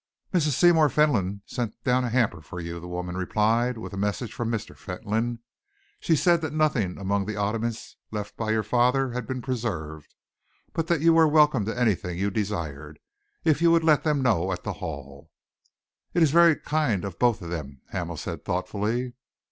"Mrs. Seymour Fentolin sent down a hamper for you," the woman replied, "with a message from Mr. Fentolin. He said that nothing among the oddments left by your father had been preserved, but that you were welcome to anything you desired, if you would let them know at the Hall." "It is very kind of both of them," Hamel said thoughtfully.